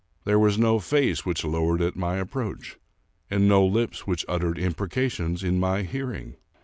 There was no face which lowered at my approach, and no lips which uttered imprecations in my hearing.